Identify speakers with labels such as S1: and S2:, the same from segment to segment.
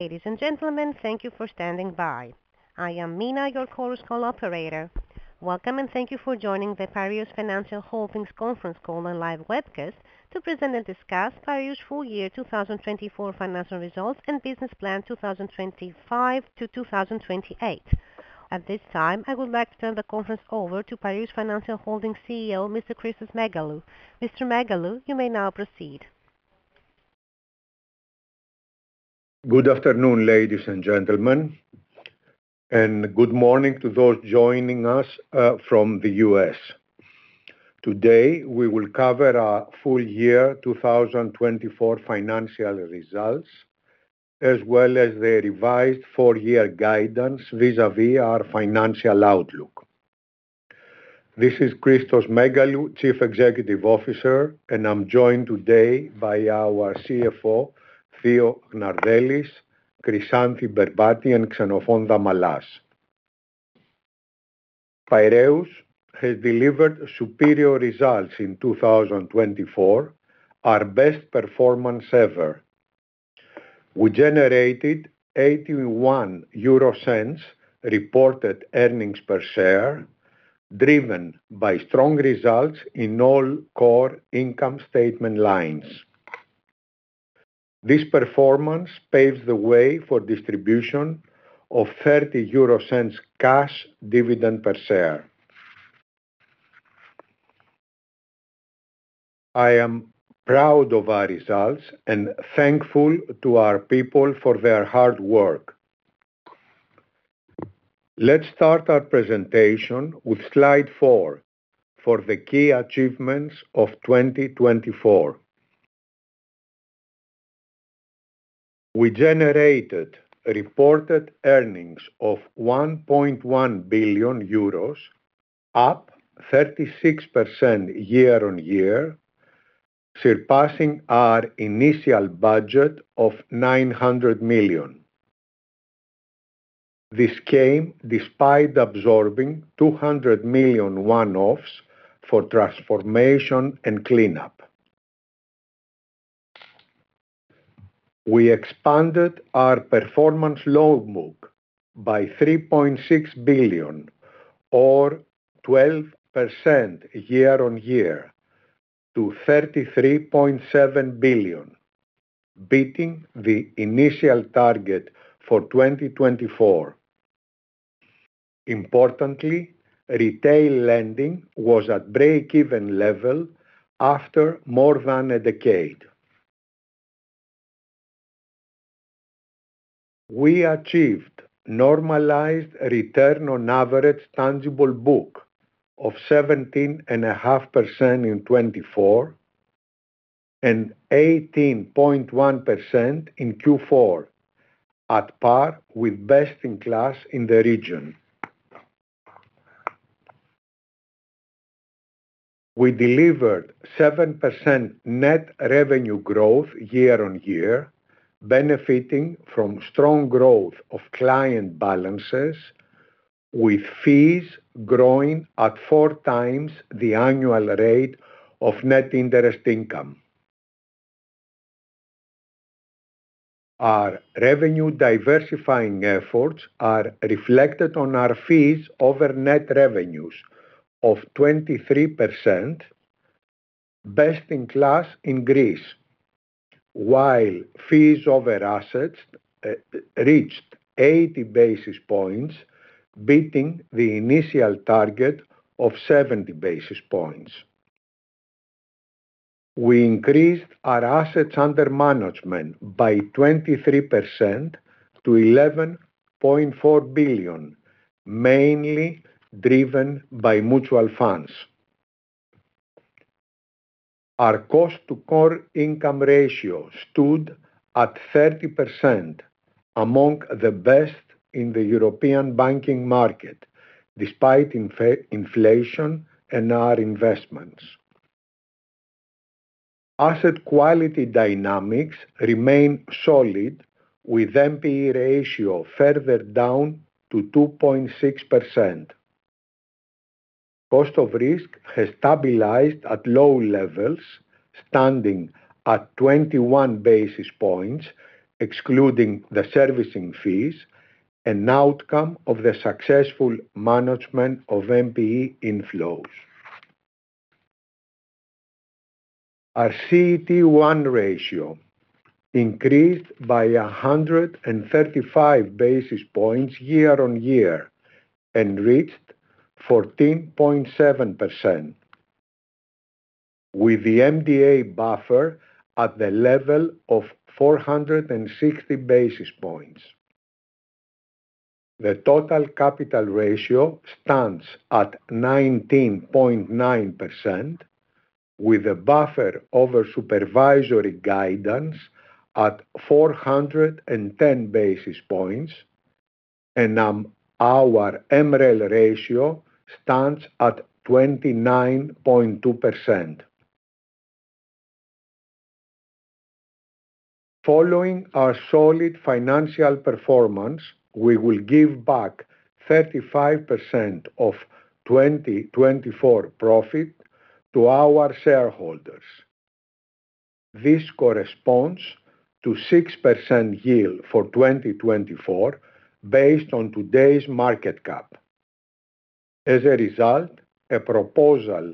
S1: Ladies and gentlemen, thank you for standing by. I am Mina, your call's call operator. Welcome and thank you for joining the Piraeus Financial Holdings conference call and live webcast to present and discuss Piraeus' Full Year 2024 Financial Results and Business Plan 2025 to 2028. At this time, I would like to turn the conference over to Piraeus Financial Holdings CEO, Mr. Christos Megalou. Mr. Megalou, you may now proceed.
S2: Good afternoon, ladies and gentlemen, and good morning to those joining us from the US. Today, we will cover our full year 2024 financial results, as well as the revised four-year guidance vis-à-vis our financial outlook. This is Christos Megalou, Chief Executive Officer, and I'm joined today by our CFO, Theodore Gnardellis, Chryssanthi Berbati, and Xenofon Damalas. Piraeus has delivered superior results in 2024, our best performance ever. We generated 0.81 reported earnings per share, driven by strong results in all core income statement lines. This performance paves the way for distribution of 0.30 cash dividend per share. I am proud of our results and thankful to our people for their hard work. Let's start our presentation with slide four for the key achievements of 2024. We generated reported earnings of 1.1 billion euros, up 36% year on year, surpassing our initial budget of 900 million. This came despite absorbing 200 million one-offs for transformation and cleanup. We expanded our performance loan book by 3.6 billion, or 12% year on year, to 33.7 billion, beating the initial target for 2024. Importantly, retail lending was at break-even level after more than a decade. We achieved normalized return on average tangible book of 17.5% in 2024 and 18.1% in Q4, at par with best-in-class in the region. We delivered 7% net revenue growth year on year, benefiting from strong growth of client balances, with fees growing at four times the annual rate of net interest income. Our revenue diversifying efforts are reflected on our fees over net revenues of 23%, best-in-class in Greece, while fees over assets reached 80 basis points, beating the initial target of 70 basis points. We increased our assets under management by 23% to 11.4 billion, mainly driven by mutual funds. Our cost-to-core income ratio stood at 30% among the best in the European banking market, despite inflation and our investments. Asset quality dynamics remain solid, with NPE ratio further down to 2.6%. Cost of risk has stabilized at low levels, standing at 21 basis points, excluding the servicing fees, an outcome of the successful management of NPE inflows. Our CET1 ratio increased by 135 basis points year on year and reached 14.7%, with the MDA buffer at the level of 460 basis points. The total capital ratio stands at 19.9%, with a buffer over supervisory guidance at 410 basis points, and our MREL ratio stands at 29.2%. Following our solid financial performance, we will give back 35% of 2024 profit to our shareholders. This corresponds to 6% yield for 2024 based on today's market cap. As a result, a proposal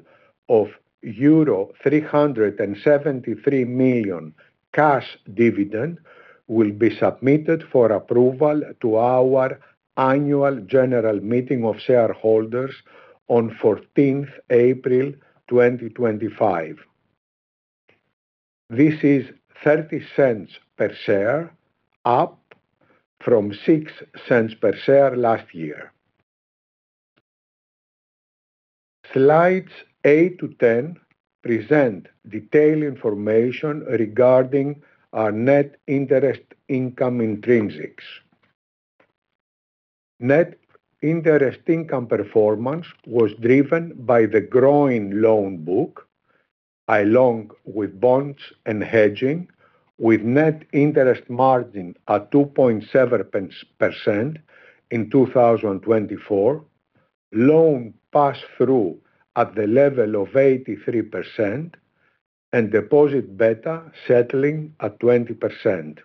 S2: of euro 373 million cash dividend will be submitted for approval to our annual general meeting of shareholders on 14 April 2025. This is 0.30 per share, up from 0.06 per share last year. Slides 8 to 10 present detailed information regarding our net interest income intrinsics. Net interest income performance was driven by the growing loan book, along with bonds and hedging, with net interest margin at 2.7% in 2024, loan pass-through at the level of 83%, and deposit beta settling at 20%.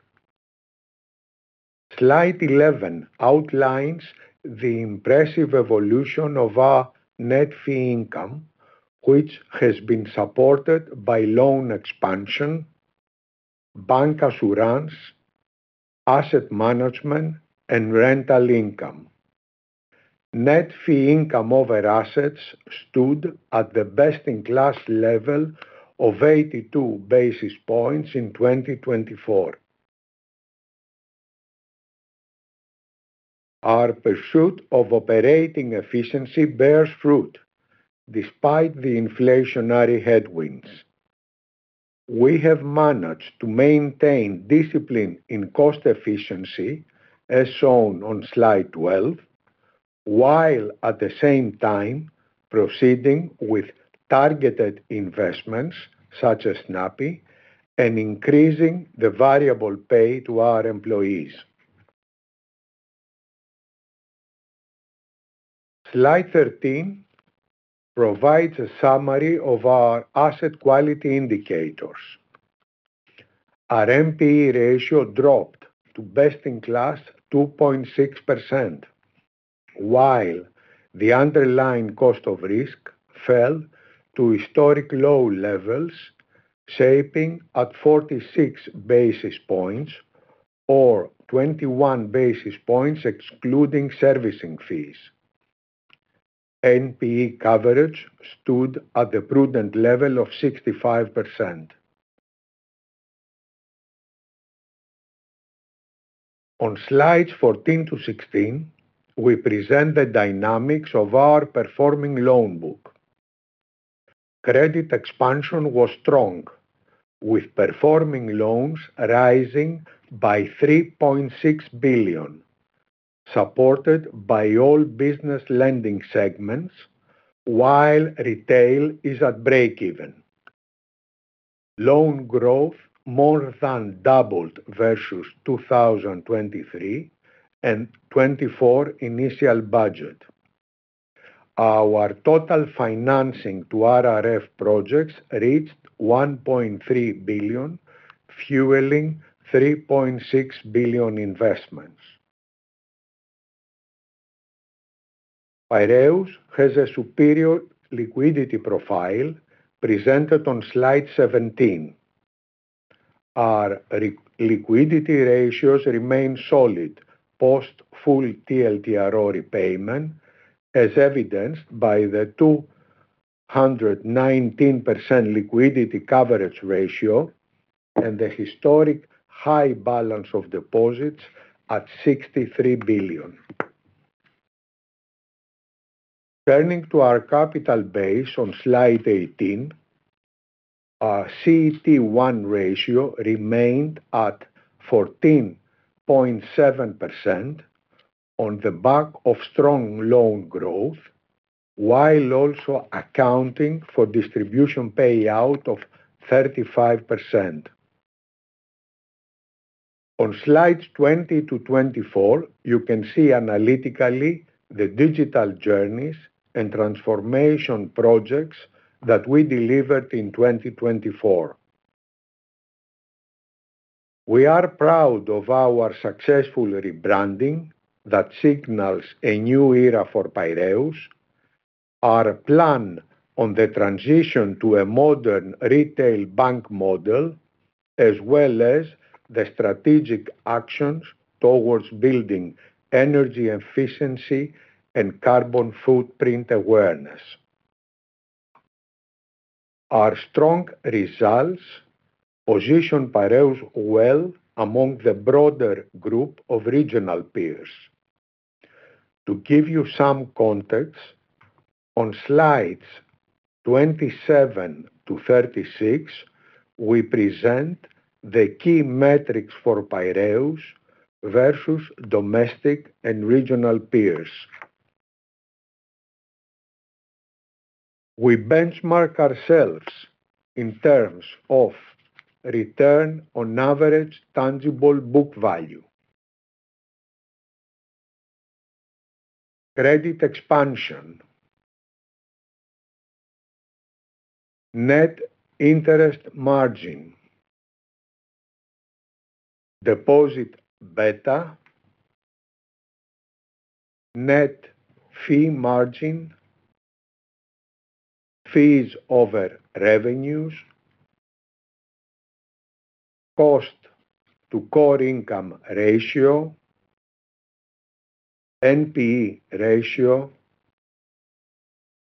S2: Slide 11 outlines the impressive evolution of our net fee income, which has been supported by loan expansion, bancassurance, asset management, and rental income. Net fee income over assets stood at the best-in-class level of 82 basis points in 2024. Our pursuit of operating efficiency bears fruit despite the inflationary headwinds. We have managed to maintain discipline in cost efficiency, as shown on slide 12, while at the same time proceeding with targeted investments such as Snappi and increasing the variable pay to our employees. Slide 13 provides a summary of our asset quality indicators. Our NPE ratio dropped to best-in-class 2.6%, while the underlying cost of risk fell to historic low levels, shaping at 46 basis points, or 21 basis points excluding servicing fees. NPE coverage stood at the prudent level of 65%. On slides 14 to 16, we present the dynamics of our performing loan book. Credit expansion was strong, with performing loans rising by 3.6 billion, supported by all business lending segments, while retail is at break-even. Loan growth more than doubled versus 2023 and 2024 initial budget. Our total financing to RRF projects reached 1.3 billion, fueling 3.6 billion investments. Piraeus has a superior liquidity profile presented on slide 17. Our liquidity ratios remain solid post full TLTRO repayment, as evidenced by the 219% liquidity coverage ratio and the historic high balance of deposits at 63 billion. Turning to our capital base on slide 18, our CET1 ratio remained at 14.7% on the back of strong loan growth, while also accounting for distribution payout of 35%. On slides 20 to 24, you can see analytically the digital journeys and transformation projects that we delivered in 2024. We are proud of our successful rebranding that signals a new era for Piraeus, our plan on the transition to a modern retail bank model, as well as the strategic actions towards building energy efficiency and carbon footprint awareness. Our strong results position Piraeus well among the broader group of regional peers. To give you some context, on slides 27-36, we present the key metrics for Piraeus versus domestic and regional peers. We benchmark ourselves in terms of return on average tangible book value, credit expansion, net interest margin, deposit beta, net fee margin, fees over revenues, cost-to-core income ratio, NPE ratio,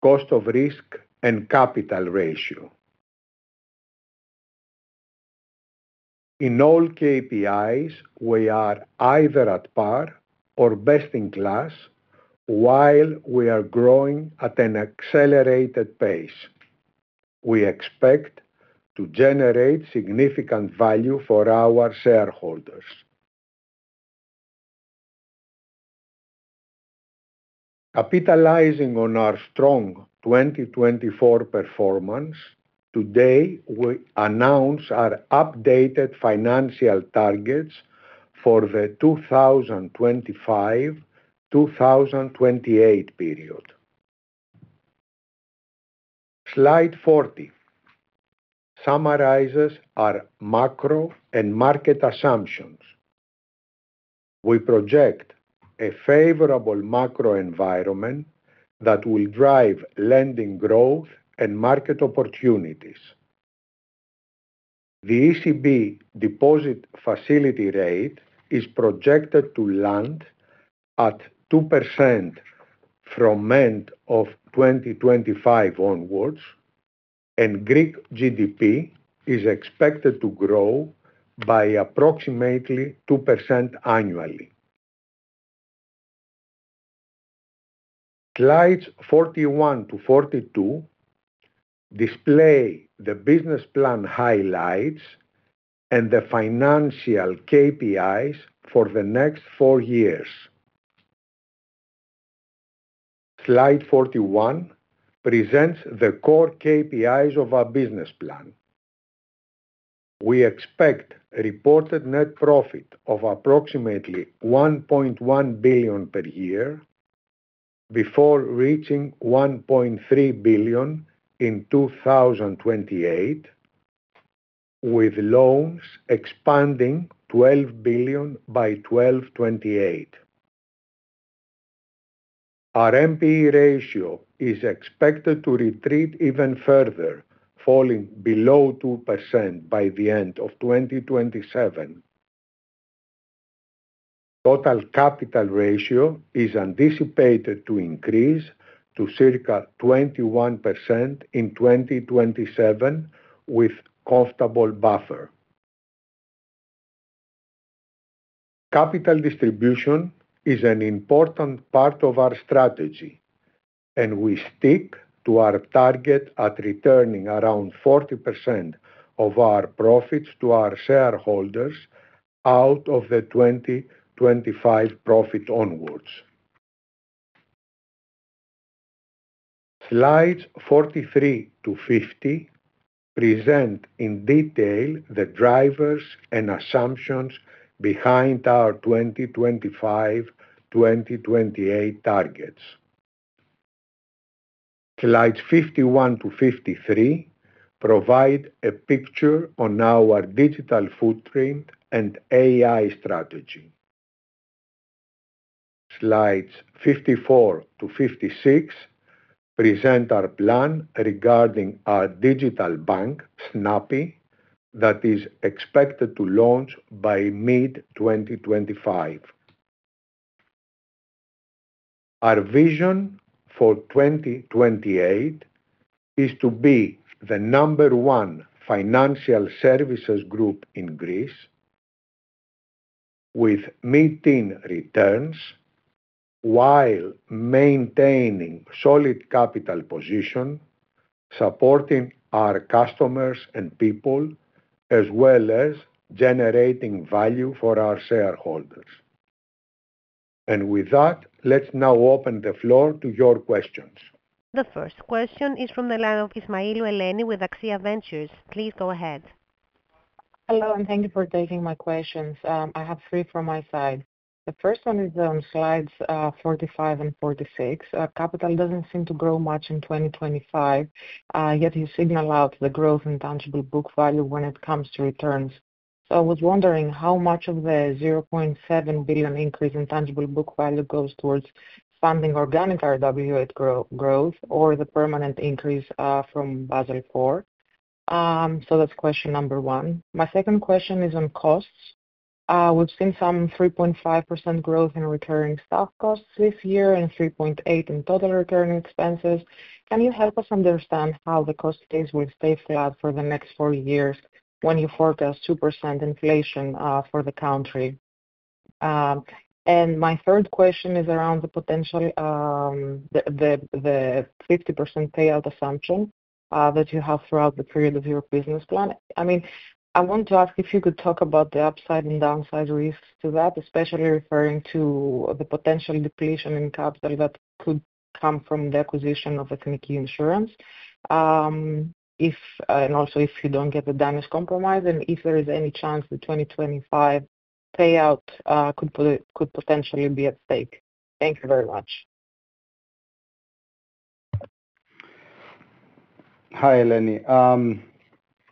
S2: cost of risk, and capital ratio. In all KPIs, we are either at par or best-in-class, while we are growing at an accelerated pace. We expect to generate significant value for our shareholders. Capitalizing on our strong 2024 performance, today we announce our updated financial targets for the 2025-2028 period. Slide 40 summarizes our macro and market assumptions. We project a favorable macro environment that will drive lending growth and market opportunities. The ECB deposit facility rate is projected to land at 2% from end of 2025 onwards, and Greek GDP is expected to grow by approximately 2% annually. Slides 41 to 42 display the business plan highlights and the financial KPIs for the next four years. Slide 41 presents the core KPIs of our business plan. We expect reported net profit of approximately 1.1 billion per year before reaching 1.3 billion in 2028, with loans expanding 12 billion by 2028. Our NPE ratio is expected to retreat even further, falling below 2% by the end of 2027. Total capital ratio is anticipated to increase to circa 21% in 2027, with comfortable buffer. Capital distribution is an important part of our strategy, and we stick to our target at returning around 40% of our profits to our shareholders out of the 2025 profit onwards. Slides 43 to 50 present in detail the drivers and assumptions behind our 2025-2028 targets. Slides 51 to 53 provide a picture on our digital footprint and AI strategy. Slides 54 to 56 present our plan regarding our digital bank, Snappi, that is expected to launch by mid-2025. Our vision for 2028 is to be the number one financial services group in Greece, with mid-teen returns, while maintaining solid capital position, supporting our customers and people, as well as generating value for our shareholders. And with that, let's now open the floor to your questions.
S1: The first question is from the line of Eleni Ismailou with AXIA Ventures Group. Please go ahead.
S3: Hello, and thank you for taking my questions. I have three from my side. The first one is on Slides 45 and 46. Capital doesn't seem to grow much in 2025, yet you single out the growth in tangible book value when it comes to returns. So I was wondering how much of the €0.7 billion increase in tangible book value goes towards funding organic RWA growth or the permanent increase from Basel IV? So that's question number one. My second question is on costs. We've seen some 3.5% growth in recurring staff costs this year and 3.8% in total recurring expenses. Can you help us understand how the costs will stay flat for the next four years when you forecast 2% inflation for the country? And my third question is around the potential 50% payout assumption that you have throughout the period of your business plan. I mean, I want to ask if you could talk about the upside and downside risks to that, especially referring to the potential depletion in capital that could come from the acquisition of Ethniki Insurance, and also if you don't get the Danish Compromise, and if there is any chance the 2025 payout could potentially be at stake. Thank you very much.
S2: Hi, Eleni.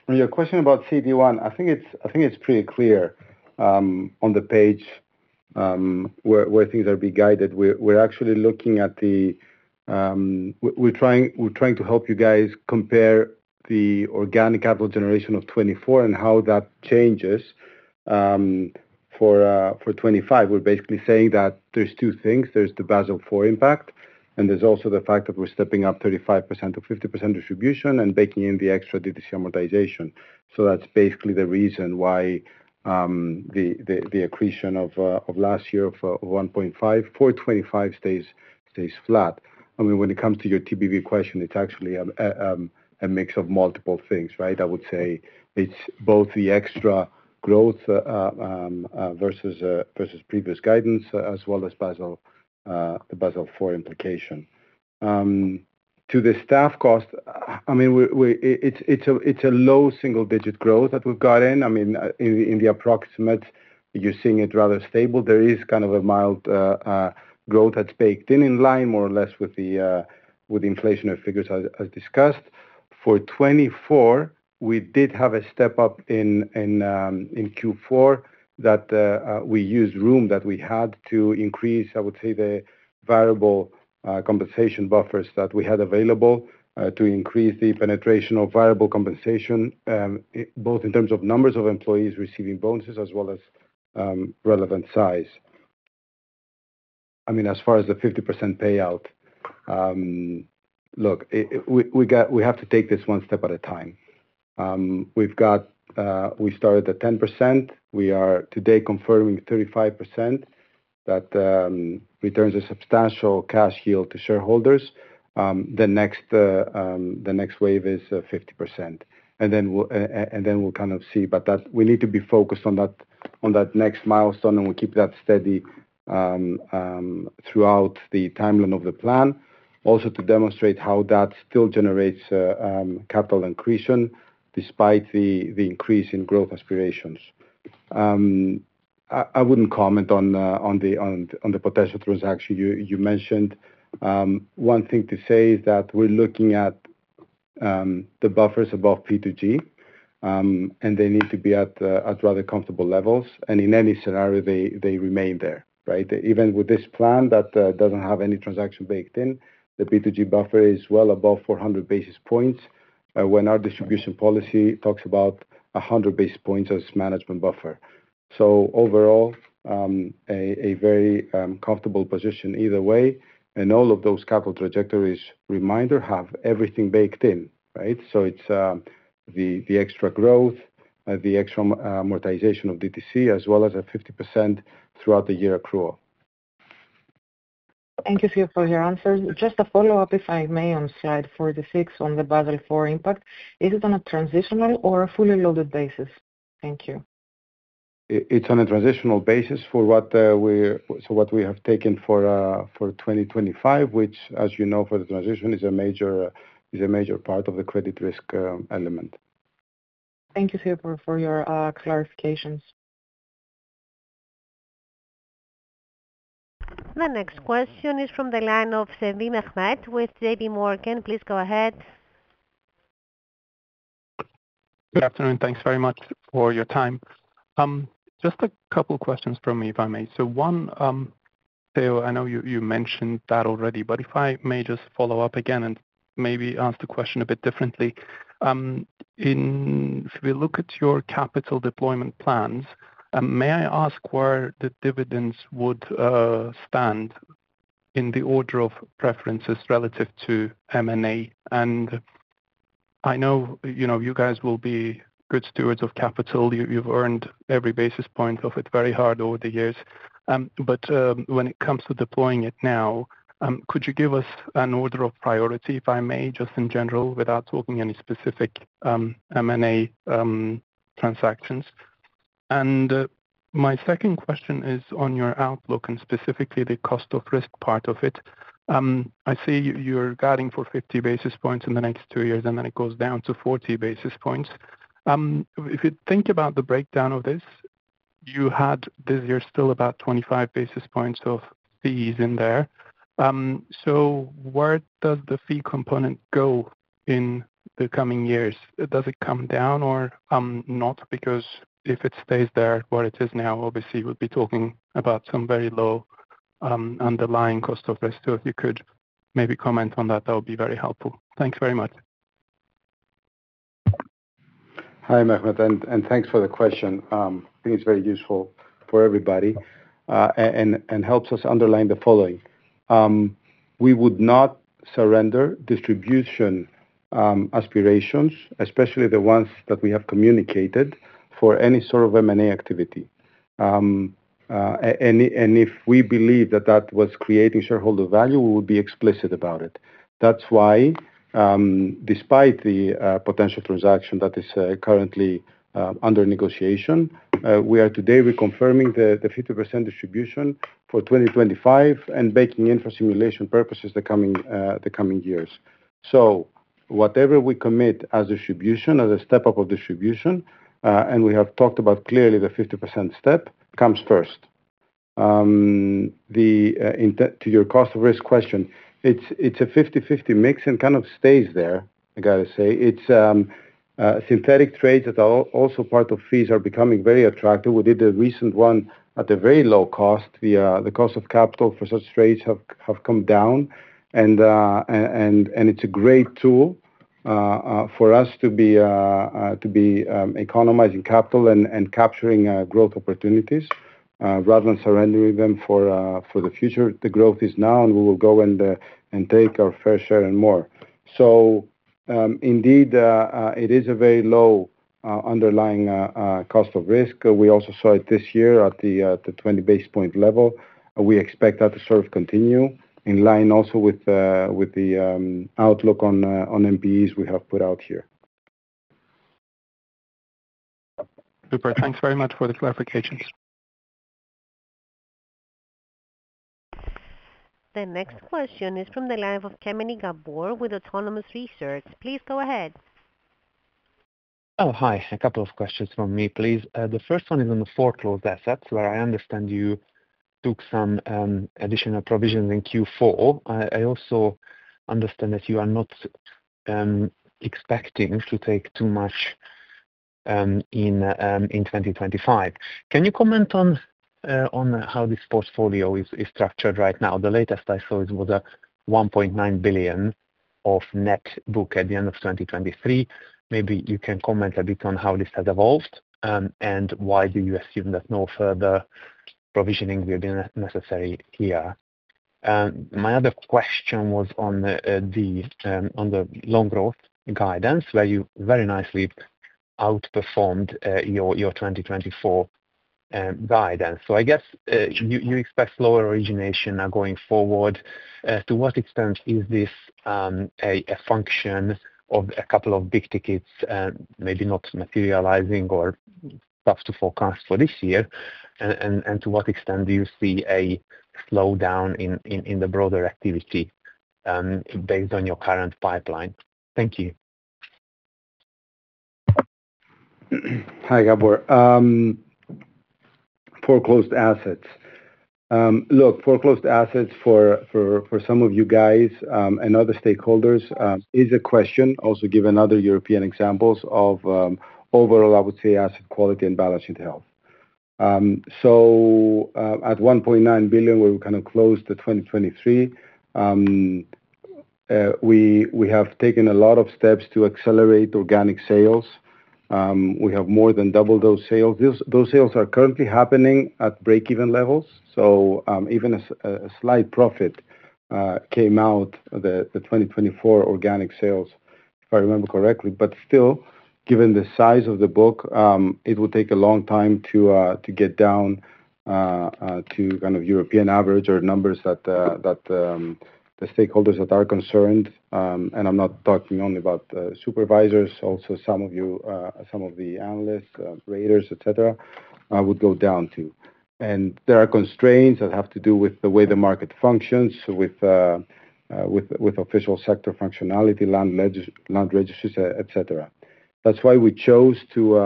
S2: Your question about CET1, I think it's pretty clear on the page where things are being guided. We're actually looking at the, we're trying to help you guys compare the organic capital generation of 2024 and how that changes for 2025. We're basically saying that there's two things. There's the Basel IV impact, and there's also the fact that we're stepping up 35%-50% distribution and baking in the extra DTC amortization. So that's basically the reason why the accretion of last year of 1.5 for 2025 stays flat. I mean, when it comes to your TBV question, it's actually a mix of multiple things, right? I would say it's both the extra growth versus previous guidance, as well as the Basel IV implication. To the staff cost, I mean, it's a low single-digit growth that we've got in. I mean, in the appendix, you're seeing it rather stable. There is kind of a mild growth that's baked in in line, more or less, with the inflationary figures as discussed. For 2024, we did have a step up in Q4 that we used room that we had to increase, I would say, the variable compensation buffers that we had available to increase the penetration of variable compensation, both in terms of numbers of employees receiving bonuses as well as relevant size. I mean, as far as the 50% payout, look, we have to take this one step at a time. We started at 10%. We are today confirming 35% that returns a substantial cash yield to shareholders. The next wave is 50%. And then we'll kind of see. But we need to be focused on that next milestone, and we'll keep that steady throughout the timeline of the plan, also to demonstrate how that still generates capital accretion despite the increase in growth aspirations. I wouldn't comment on the potential transaction you mentioned. One thing to say is that we're looking at the buffers above P2G, and they need to be at rather comfortable levels. And in any scenario, they remain there, right? Even with this plan that doesn't have any transaction baked in, the P2G buffer is well above 400 basis points when our distribution policy talks about 100 basis points as management buffer. So overall, a very comfortable position either way, and all of those capital trajectories, reminder, have everything baked in, right? So it's the extra growth, the extra amortization of DTC, as well as a 50% throughout the year accrual. Thank you for your answers. Just a follow-up, if I may, on slide 46 on the Basel IV impact. Is it on a transitional or a fully loaded basis? Thank you. It's on a transitional basis for what we have taken for 2025, which, as you know, for the transition is a major part of the credit risk element.
S3: Thank you for your clarifications.
S1: The next question is from the line of Mehmet Sevim with JPMorgan. Please go ahead.
S4: Good afternoon. Thanks very much for your time. Just a couple of questions from me, if I may. So one, I know you mentioned that already, but if I may just follow up again and maybe ask the question a bit differently. If we look at your capital deployment plans, may I ask where the dividends would stand in the order of preferences relative to M&A? And I know you guys will be good stewards of capital. You've earned every basis point of it very hard over the years. But when it comes to deploying it now, could you give us an order of priority, if I may, just in general, without talking any specific M&A transactions? And my second question is on your outlook and specifically the cost of risk part of it. I see you're guiding for 50 basis points in the next two years, and then it goes down to 40 basis points. If you think about the breakdown of this, you had this year still about 25 basis points of fees in there. So where does the fee component go in the coming years? Does it come down or not? Because if it stays there where it is now, obviously, we'll be talking about some very low underlying cost of risk. So if you could maybe comment on that, that would be very helpful. Thanks very much.
S2: Hi, Mehmet, and thanks for the question. I think it's very useful for everybody and helps us underline the following. We would not surrender distribution aspirations, especially the ones that we have communicated, for any sort of M&A activity. If we believe that that was creating shareholder value, we would be explicit about it. That's why, despite the potential transaction that is currently under negotiation, we are today reconfirming the 50% distribution for 2025 and baking in for simulation purposes the coming years. Whatever we commit as distribution, as a step up of distribution, and we have talked about clearly the 50% step, comes first. To your cost of risk question, it's a 50/50 mix and kind of stays there, I got to say. Synthetic trades that are also part of fees are becoming very attractive. We did the recent one at a very low cost. The cost of capital for such trades have come down, and it's a great tool for us to be economizing capital and capturing growth opportunities rather than surrendering them for the future. The growth is now, and we will go and take our fair share and more. So indeed, it is a very low underlying cost of risk. We also saw it this year at the 20 basis point level. We expect that to sort of continue in line also with the outlook on NPEs we have put out here. Super. Thanks very much for the clarifications. The next question is from the line of Gabor Kemeny with Autonomous Research. Please go ahead. Oh, hi. A couple of questions from me, please. The first one is on the foreclosed assets, where I understand you took some additional provisions in Q4. I also understand that you are not expecting to take too much in 2025. Can you comment on how this portfolio is structured right now? The latest I saw was 1.9 billion of net book at the end of 2023. Maybe you can comment a bit on how this has evolved and why do you assume that no further provisioning will be necessary here. My other question was on the loan growth guidance, where you very nicely outperformed your 2024 guidance. So I guess you expect slower origination going forward. To what extent is this a function of a couple of big tickets, maybe not materializing or tough to forecast for this year? And to what extent do you see a slowdown in the broader activity based on your current pipeline? Thank you. Hi, Gabor. Foreclosed assets. Look, foreclosed assets for some of you guys and other stakeholders is a question. Also give another European example of overall, I would say, asset quality and balance sheet health. So at 1.9 billion, we're kind of close to 2023. We have taken a lot of steps to accelerate organic sales. We have more than doubled those sales. Those sales are currently happening at break-even levels, so even a slight profit came out of the 2024 organic sales, if I remember correctly. But still, given the size of the book, it will take a long time to get down to kind of European average or numbers that the stakeholders that are concerned, and I'm not talking only about supervisors, also some of the analysts, raters, etc., would go down to, and there are constraints that have to do with the way the market functions, with official sector functionality, land registries, etc. That's why we chose to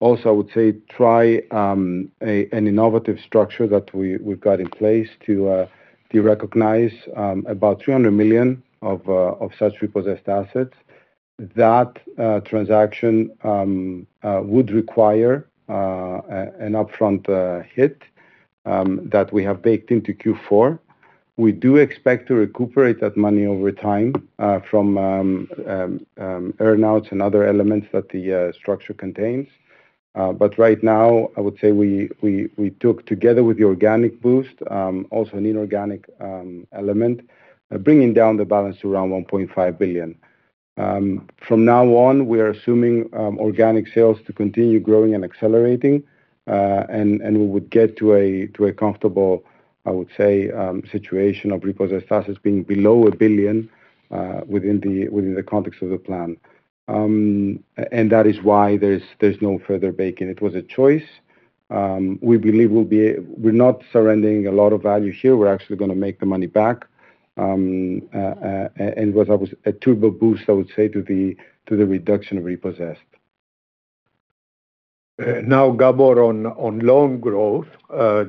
S2: also, I would say, try an innovative structure that we've got in place to recognize about 300 million of such repossessed assets. That transaction would require an upfront hit that we have baked into Q4. We do expect to recuperate that money over time from earnouts and other elements that the structure contains. But right now, I would say we took, together with the organic boost, also an inorganic element, bringing down the balance to around 1.5 billion. From now on, we are assuming organic sales to continue growing and accelerating, and we would get to a comfortable, I would say, situation of repossessed assets being below 1 billion within the context of the plan. And that is why there's no further backing. It was a choice. We believe we're not surrendering a lot of value here. We're actually going to make the money back. And it was a turbo boost, I would say, to the reduction of repossessed. Now, Gabor, on loan growth,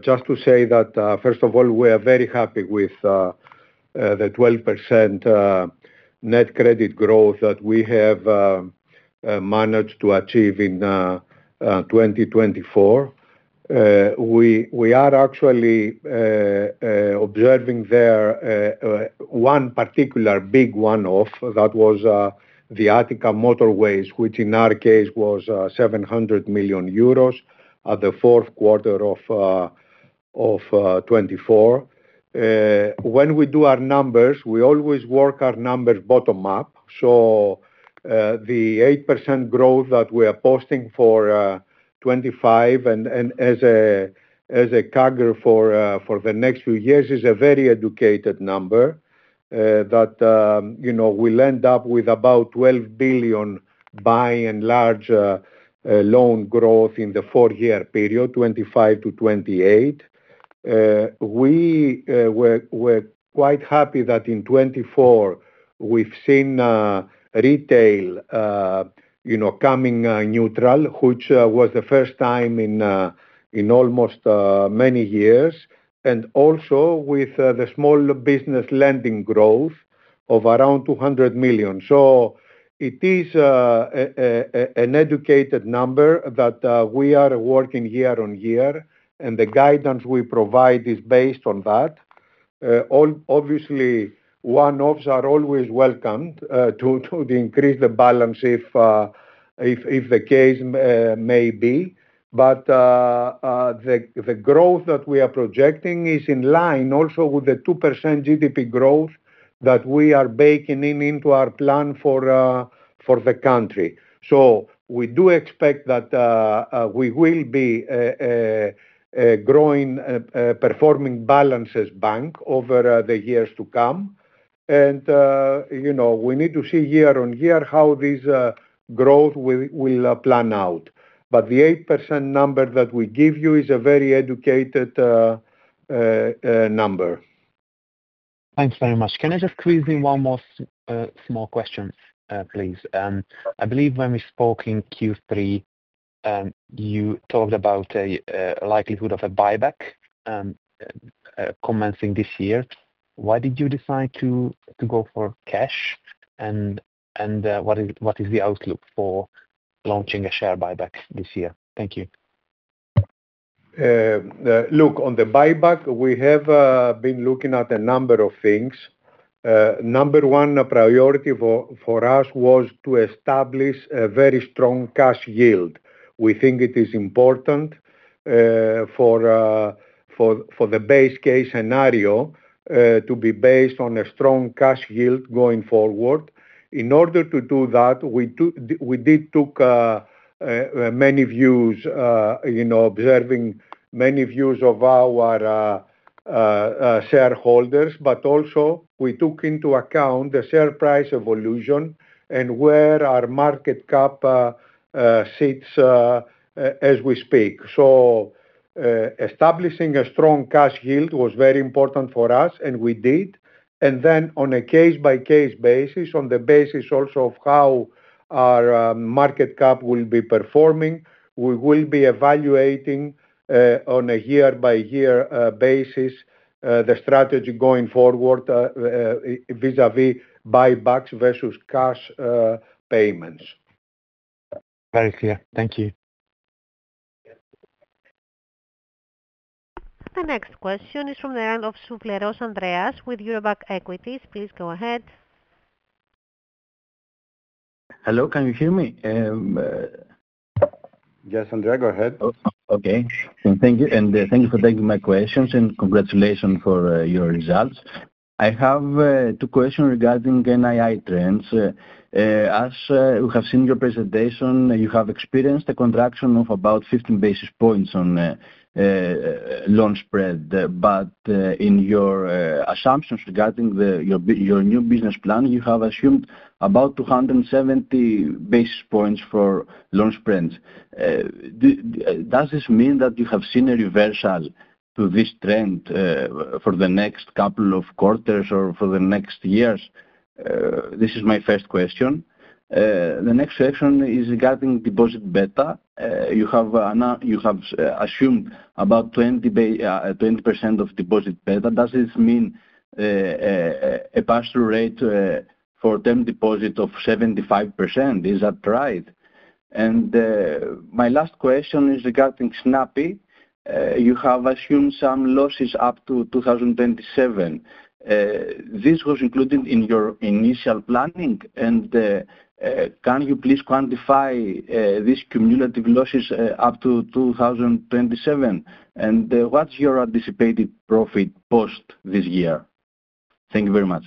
S2: just to say that, first of all, we are very happy with the 12% net credit growth that we have managed to achieve in 2024. We are actually observing there one particular big one-off that was the Attica Motorways, which in our case was 700 million euros at the Q4 of 2024. When we do our numbers, we always work our numbers bottom up. So the 8% growth that we are posting for 2025 and as a calculation for the next few years is a very educated number that we'll end up with about 12 billion by and large loan growth in the four-year period, 2025 to 2028. We were quite happy that in 2024 we've seen retail coming neutral, which was the first time in almost many years, and also with the small business lending growth of around 200 million. It is an educated number that we are working year on year, and the guidance we provide is based on that. Obviously, one-offs are always welcomed to increase the balance if the case may be. The growth that we are projecting is in line also with the 2% GDP growth that we are baking into our plan for the country. We do expect that we will be growing performing balances bank over the years to come. We need to see year on year how this growth will plan out. The 8% number that we give you is a very educated number.
S4: Thanks very much. Can I just quiz you one more small question, please? I believe when we spoke in Q3, you talked about a likelihood of a buyback coming this year. Why did you decide to go for cash? And what is the outlook for launching a share buyback this year? Thank you.
S2: Look, on the buyback, we have been looking at a number of things. Number one, a priority for us was to establish a very strong cash yield. We think it is important for the base case scenario to be based on a strong cash yield going forward. In order to do that, we did take many views, observing many views of our shareholders, but also we took into account the share price evolution and where our market cap sits as we speak. So establishing a strong cash yield was very important for us, and we did. And then, on a case-by-case basis, on the basis also of how our market cap will be performing, we will be evaluating on a year-by-year basis the strategy going forward vis-à-vis buybacks versus cash payments.
S4: Very clear. Thank you.
S1: The next question is from the line of Andreas Souvleros with Eurobank Equities. Please go ahead.
S5: Hello. Can you hear me? Yes, Andreas, go ahead. Okay and thank you for taking my questions and congratulations for your results. I have two questions regarding NII trends. As we have seen in your presentation, you have experienced a contraction of about 15 basis points on loan spread. But in your assumptions regarding your new business plan, you have assumed about 270 basis points for loan spreads. Does this mean that you have seen a reversal to this trend for the next couple of quarters or for the next years? This is my first question. The next question is regarding deposit beta. You have assumed about 20% of deposit beta. Does this mean a pass-through rate for term deposit of 75%? Is that right? And my last question is regarding Snappi. You have assumed some losses up to 2027. This was included in your initial planning. And can you please quantify these cumulative losses up to 2027? And what's your anticipated profit post this year? Thank you very much.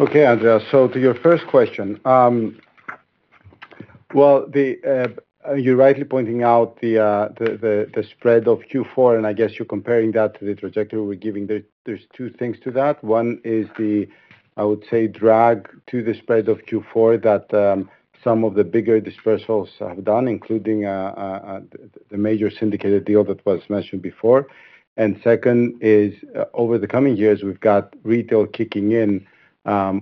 S2: Okay, Andreas. So to your first question, well, you're rightly pointing out the spread of Q4, and I guess you're comparing that to the trajectory we're giving. There's two things to that. One is the, I would say, drag to the spread of Q4 that some of the bigger disposals have done, including the major syndicated deal that was mentioned before. And second is, over the coming years, we've got retail kicking in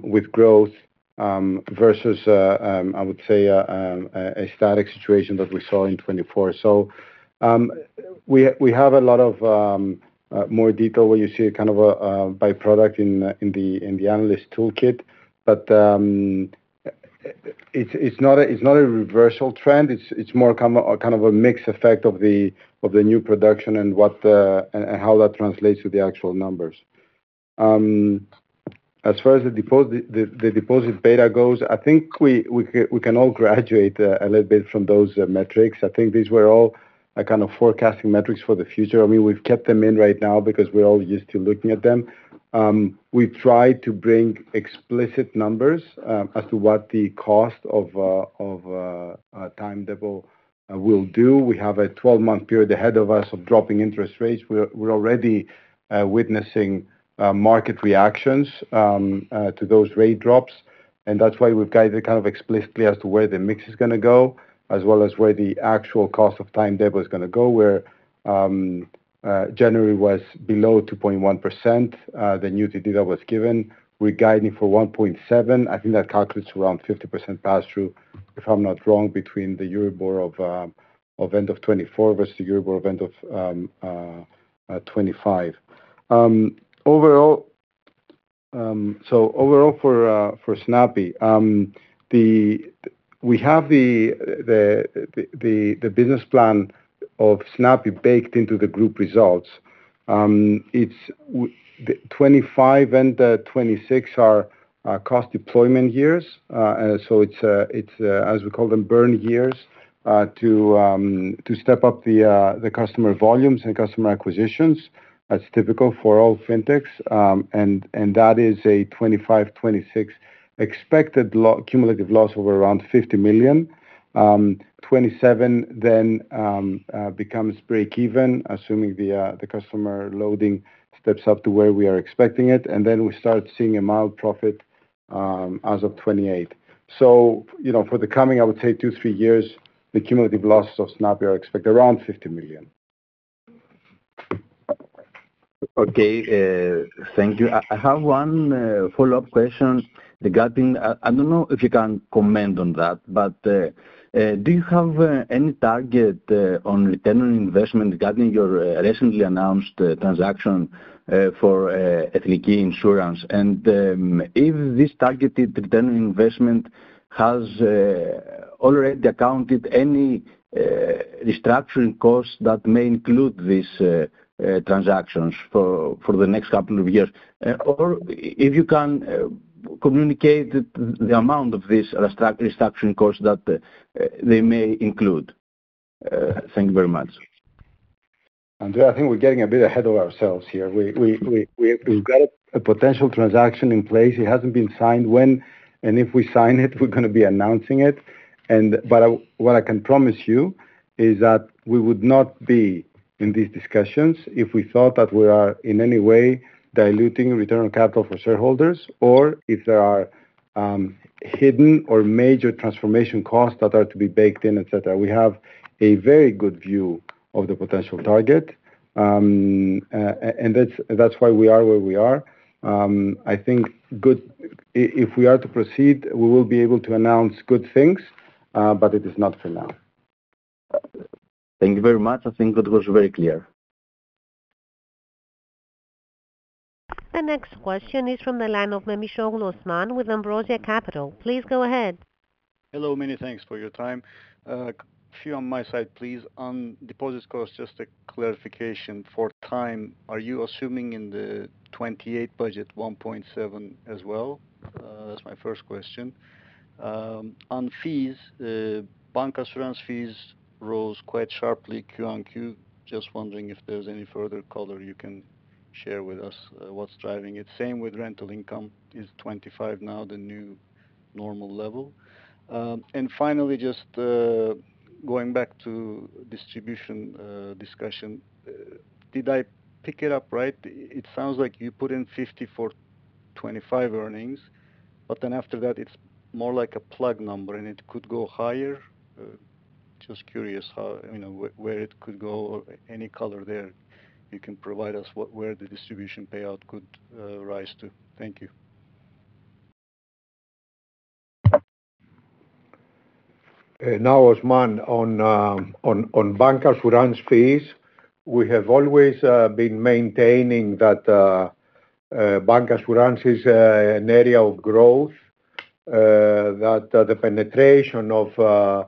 S2: with growth versus, I would say, a static situation that we saw in 2024. So we have a lot of more detail where you see kind of a byproduct in the analyst toolkit, but it's not a reversal trend. It's more kind of a mixed effect of the new provisions and how that translates to the actual numbers. As far as the deposit beta goes, I think we can all graduate a little bit from those metrics. I think these were all kind of forecasting metrics for the future. I mean, we've kept them in right now because we're all used to looking at them. We've tried to bring explicit numbers as to what the cost of term deposit will do. We have a 12-month period ahead of us of dropping interest rates. We're already witnessing market reactions to those rate drops. And that's why we've guided kind of explicitly as to where the mix is going to go, as well as where the actual cost of term deposit is going to go, where January was below 2.1%. The new TD that was given, we're guiding for 1.7%. I think that calculates around 50% pass-through, if I'm not wrong, between the Euribor of end of 2024 versus the Euribor of end of 2025. So overall for Snappi, we have the business plan of Snappi baked into the group results. It's 2025 and 2026 are cost deployment years. So it's, as we call them, burn years to step up the customer volumes and customer acquisitions. That's typical for all fintechs. And that is a 2025, 2026 expected cumulative loss over around 50 million. 2027 then becomes break-even, assuming the customer loading steps up to where we are expecting it. And then we start seeing a mild profit as of 2028. So for the coming, I would say, two, three years, the cumulative loss of Snappi are expected around 50 million.
S5: Okay. Thank you. I have one follow-up question regarding. I don't know if you can comment on that, but do you have any target on return on investment regarding your recently announced transaction for Ethniki Insurance? And if this targeted return on investment has already accounted any restructuring costs that may include these transactions for the next couple of years, or if you can communicate the amount of this restructuring cost that they may include. Thank you very much.
S2: Andreas, I think we're getting a bit ahead of ourselves here. We've got a potential transaction in place. It hasn't been signed. When and if we sign it, we're going to be announcing it. But what I can promise you is that we would not be in these discussions if we thought that we are in any way diluting return on capital for shareholders or if there are hidden or major transformation costs that are to be baked in, etc. We have a very good view of the potential target. And that's why we are where we are. I think if we are to proceed, we will be able to announce good things, but it is not for now.
S5: Thank you very much. I think it was very clear.
S1: The next question is from the line of Osman Memisoglu with Ambrosia Capital. Please go ahead.
S6: Hello. Many thanks for your time. A few on my side, please. On deposit costs, just a clarification. For TLTRO, are you assuming in the 2028 budget 1.7 as well? That's my first question. On fees, bancassurance fees rose quite sharply Q1 QoQ. Just wondering if there's any further color you can share with us, what's driving it. Same with rental income, is 25 now the new normal level? And finally, just going back to distribution discussion, did I pick it up right? It sounds like you put in 50 for 2025 earnings, but then after that, it's more like a plug number, and it could go higher. Just curious where it could go or any color there you can provide us where the distribution payout could rise to. Thank you.
S2: Now, Osman, on bancassurance fees, we have always been maintaining that bancassurance is an area of growth, that the penetration of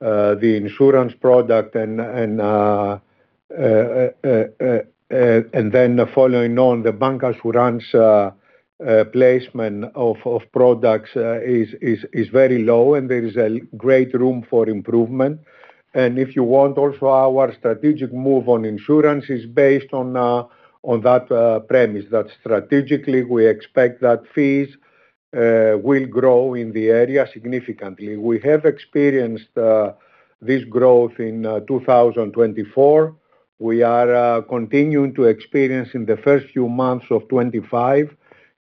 S2: the insurance product and then following on the bancassurance placement of products is very low, and there is a great room for improvement. If you want, also our strategic move on insurance is based on that premise that strategically we expect that fees will grow in the area significantly. We have experienced this growth in 2024. We are continuing to experience in the first few months of 2025.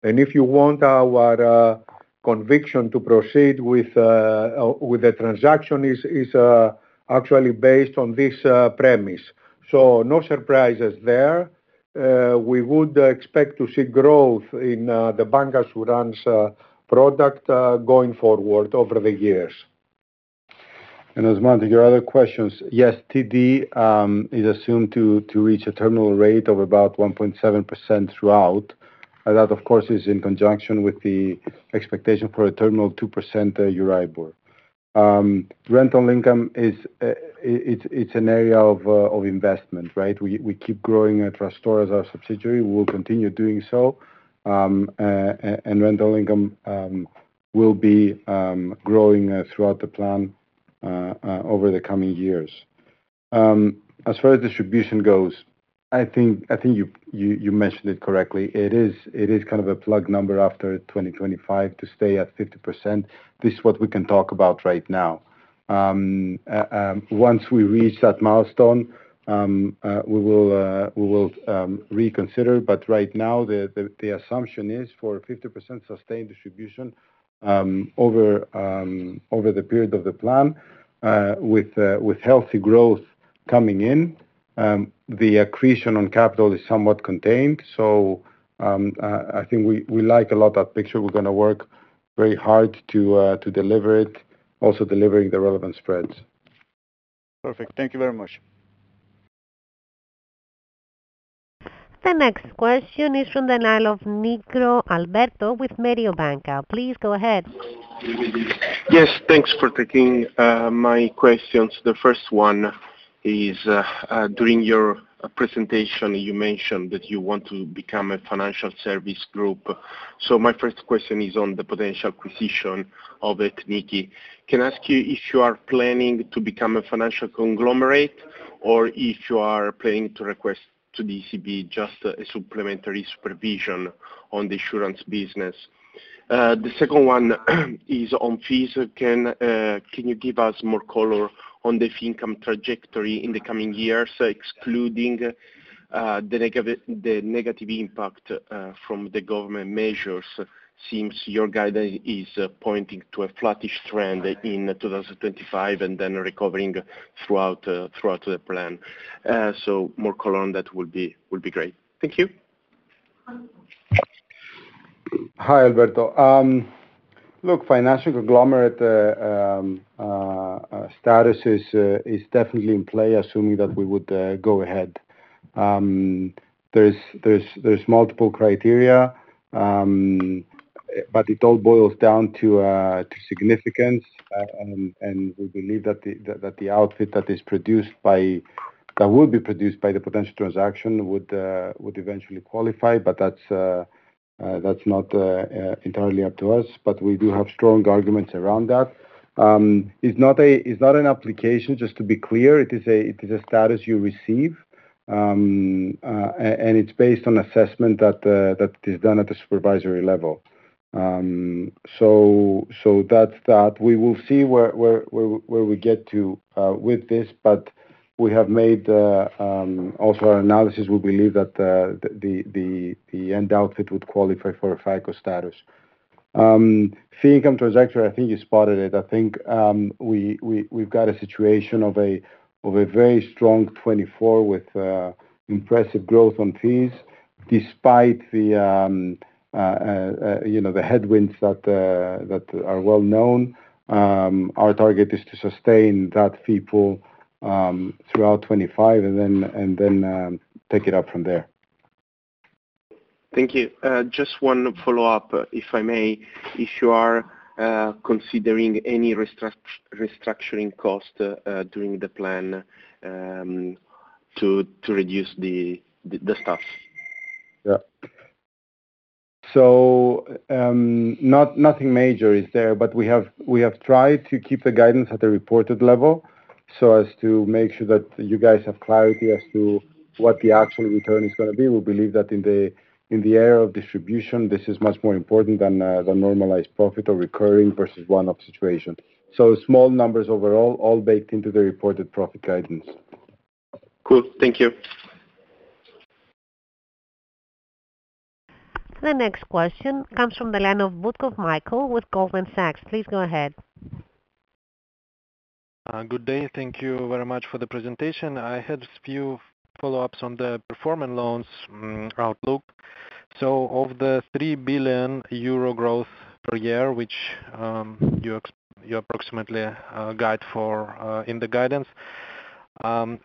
S2: If you want, our conviction to proceed with a transaction is actually based on this premise. So no surprises there. We would expect to see growth in the bank assurance product going forward over the years. Osman, your other questions. Yes, TD is assumed to reach a terminal rate of about 1.7% throughout. That, of course, is in conjunction with the expectation for a terminal 2% Euribor. Rental income, it's an area of investment, right? We keep growing at Trastor as our subsidiary. We will continue doing so. Rental income will be growing throughout the plan over the coming years. As far as distribution goes, I think you mentioned it correctly. It is kind of a plug number after 2025 to stay at 50%. This is what we can talk about right now. Once we reach that milestone, we will reconsider. But right now, the assumption is for 50% sustained distribution over the period of the plan with healthy growth coming in. The accretion on capital is somewhat contained. So I think we like a lot that picture. We're going to work very hard to deliver it, also delivering the relevant spreads.
S6: Perfect. Thank you very much.
S1: The next question is from the line of Alberto Nigro with Mediobanca. Please go ahead.
S7: Yes. Thanks for taking my questions. The first one is during your presentation, you mentioned that you want to become a financial service group. So my first question is on the potential acquisition of Ethniki. Can I ask you if you are planning to become a financial conglomerate or if you are planning to request to ECB just a supplementary supervision on the insurance business? The second one is on fees. Can you give us more color on the fee income trajectory in the coming years, excluding the negative impact from the government measures? Seems your guidance is pointing to a flattish trend in 2025 and then recovering throughout the plan. So more color on that would be great. Thank you.
S2: Hi, Alberto. Look, financial conglomerate status is definitely in play, assuming that we would go ahead. There's multiple criteria, but it all boils down to significance. And we believe that the outfit that is produced by that will be produced by the potential transaction would eventually qualify, but that's not entirely up to us. But we do have strong arguments around that. It's not an application, just to be clear. It is a status you receive, and it's based on assessment that is done at the supervisory level. So that's that. We will see where we get to with this, but we have made also our analysis. We believe that the end outfit would qualify for a FICo status. Fee income trajectory, I think you spotted it. I think we've got a situation of a very strong 2024 with impressive growth on fees despite the headwinds that are well known. Our target is to sustain that fee pool throughout 2025 and then take it up from there.
S7: Thank you. Just one follow-up, if I may, if you are considering any restructuring cost during the plan to reduce the stuff. Yeah.
S2: So nothing major is there, but we have tried to keep the guidance at the reported level so as to make sure that you guys have clarity as to what the actual return is going to be. We believe that in the area of distribution, this is much more important than normalized profit or recurring versus one-off situation. So small numbers overall, all baked into the reported profit guidance.
S7: Cool. Thank you.
S1: The next question comes from the line of Mikhail Butkov with Goldman Sachs. Please go ahead.
S8: Good day. Thank you very much for the presentation. I had a few follow-ups on the performing loans outlook. So of the 3 billion euro growth per year, which you approximately guide for in the guidance,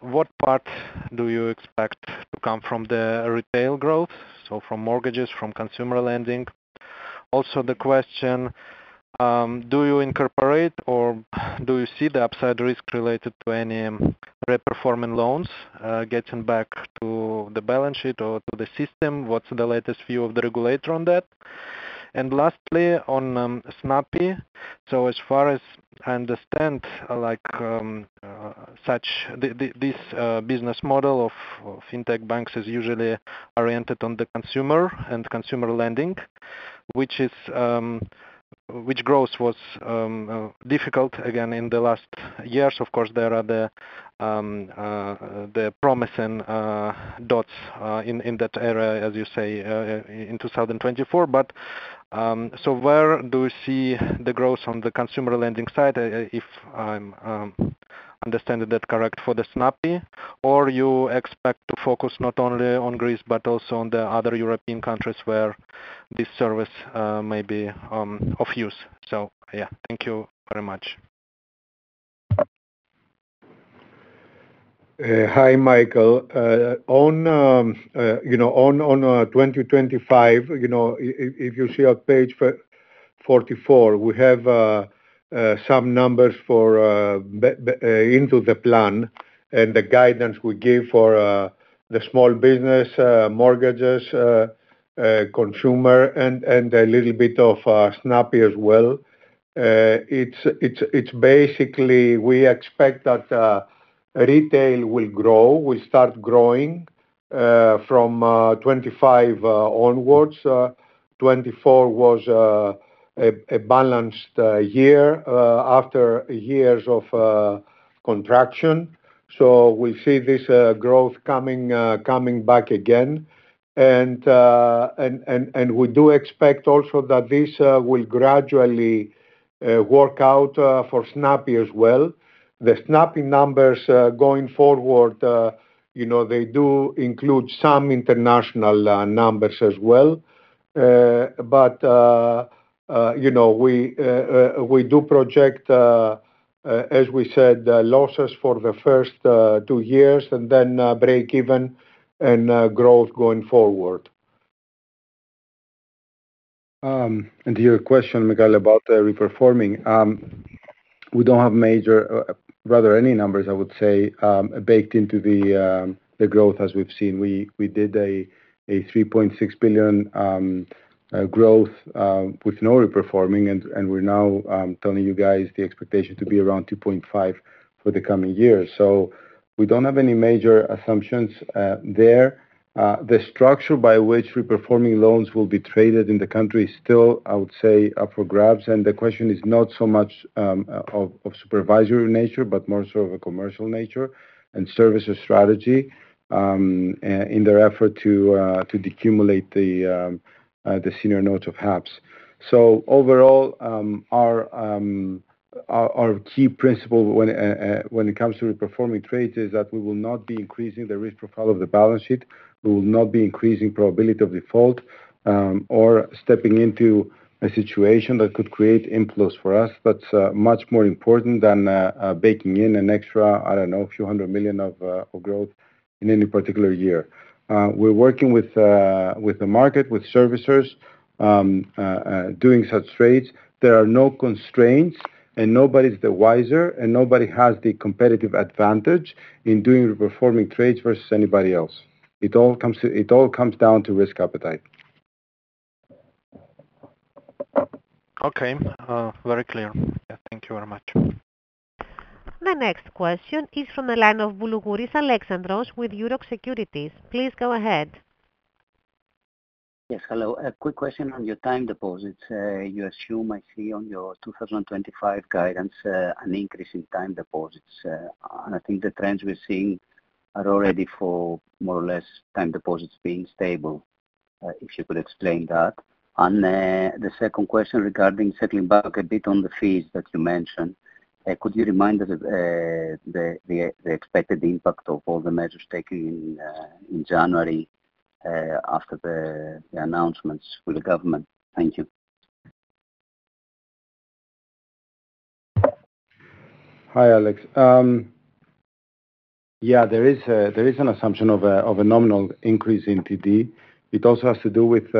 S8: what part do you expect to come from the retail growth? So from mortgages, from consumer lending. Also, the question, do you incorporate or do you see the upside risk related to any re-performing loans getting back to the balance sheet or to the system? What's the latest view of the regulator on that? And lastly, on Snappi, so as far as I understand, this business model of fintech banks is usually oriented on the consumer and consumer lending, which growth was difficult again in the last years. Of course, there are the promising dots in that area, as you say, in 2024. But so where do you see the growth on the consumer lending side, if I'm understanding that correct, for the Snappi? Or you expect to focus not only on Greece, but also on the other European countries where this service may be of use? So yeah, thank you very much.
S2: Hi, Mikhail. In 2025, if you see our page 44, we have some numbers in the plan and the guidance we give for the small business, mortgages, consumer, and a little bit of Snappi as well. It's basically we expect that retail will grow, will start growing from 2025 onwards. 2024 was a balanced year after years of contraction. We see this growth coming back again. We do expect also that this will gradually work out for Snappi as well. The Snappi numbers going forward, they do include some international numbers as well. We do project, as we said, losses for the first two years and then break even and growth going forward. To your question, Miguel, about reperforming, we don't have major, rather any numbers, I would say, baked into the growth as we've seen. We did a 3.6 billion growth with no reperforming, and we're now telling you guys the expectation to be around 2.5 for the coming years, so we don't have any major assumptions there. The structure by which reperforming loans will be traded in the country is still, I would say, up for grabs, and the question is not so much of supervisory nature, but more sort of a commercial nature and service strategy in their effort to decumulate the senior notes of HAPS, so overall, our key principle when it comes to reperforming trades is that we will not be increasing the risk profile of the balance sheet. We will not be increasing probability of default or stepping into a situation that could create inflows for us, that's much more important than baking in an extra, I don't know, a few hundred million of growth in any particular year. We're working with the market, with servicers, doing such trades. There are no constraints, and nobody's the wiser, and nobody has the competitive advantage in doing reperforming trades versus anybody else. It all comes down to risk appetite.
S8: Okay. Very clear. Yeah. Thank you very much.
S1: The next question is from the line of Alexandros Boulougouris with Euroxx Securities. Please go ahead.
S9: Yes. Hello. Quick question on your time deposits. You assume I see on your 2025 guidance an increase in time deposits. And I think the trends we're seeing are already for more or less time deposits being stable. If you could explain that. And the second question regarding settling back a bit on the fees that you mentioned, could you remind us of the expected impact of all the measures taken in January after the announcements with the government? Thank you.
S2: Hi, Alex. Yeah, there is an assumption of a nominal increase in TD. It also has to do with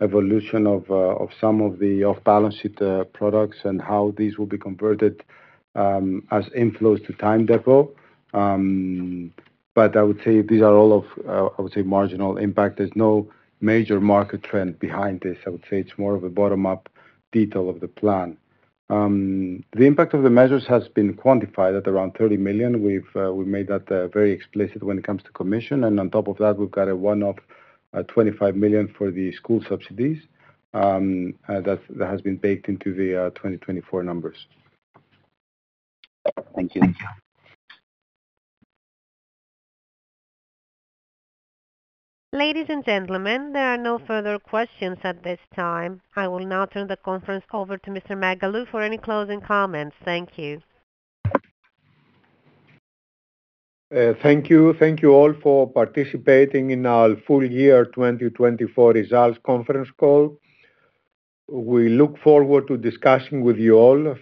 S2: evolution of some of the off-balance sheet products and how these will be converted as inflows to time deposit. But I would say these are all of, I would say, marginal impact. There's no major market trend behind this. I would say it's more of a bottom-up detail of the plan. The impact of the measures has been quantified at around €30 million. We've made that very explicit when it comes to commission. And on top of that, we've got a one-off €25 million for the school subsidies that has been baked into the 2024 numbers.
S9: Thank you. Thank you.
S1: Ladies and gentlemen, there are no further questions at this time. I will now turn the conference over to Mr. Megalou for any closing comments. Thank you. Thank you.
S2: Thank you all for participating in our full year 2024 results conference call. We look forward to discussing with you all.